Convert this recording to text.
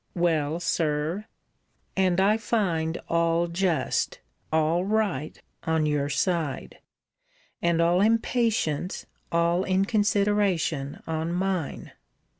Well, Sir. And I find all just, all right, on your side; and all impatience, all inconsideration on mine.